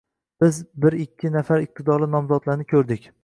Biz bir-ikki nafar iqtidorli nomzodlarni koʻrdik.